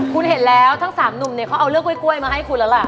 คุณเห็นแล้วทั้งสามหนุ่มเนี่ยเขาเอาเลือกกล้วยมาให้คุณแล้วล่ะ